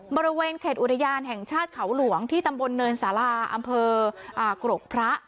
บริเวณเขตอุทยานแห่งชาติเขาหลวงที่ตำบลเนินสาราอำเภอกรกพระ